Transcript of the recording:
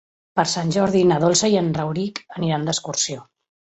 Per Sant Jordi na Dolça i en Rauric aniran d'excursió.